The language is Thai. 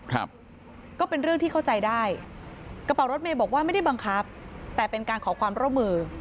ครับก็เป็นเรื่องที่เข้าใจได้กระเป๋ารถเมย์บอกว่าไม่ได้บังคับแต่เป็นการขอความร่วมมือ